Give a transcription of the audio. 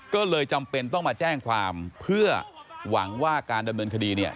ก็เลยจำเป็นต้องมาแจ้งความเพื่อหวังว่าการดำเนินคดีเนี่ย